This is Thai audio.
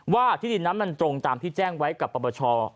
ว่าที่ดินน้ำตรงตามที่แจ้งไว้กับประปชา